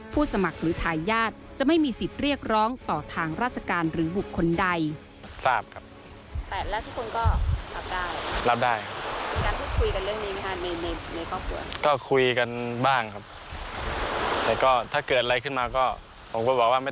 สมัครหรือทายาทจะไม่มีสิทธิ์เรียกร้องต่อทางราชการหรือบุคคลใด